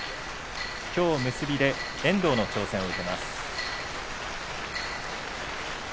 きょう結びで遠藤の挑戦を受けます。